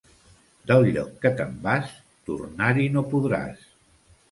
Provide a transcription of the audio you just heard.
Del lloc que te'n vas, tornar-hi no podràs.